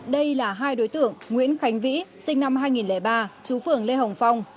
đây là hai đối tượng nguyễn khánh vĩ sinh năm hai nghìn ba chú phường lê hồng phong